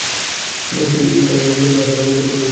সেই chinaman bowler না আসা পর্যন্ত অপেক্ষা করো।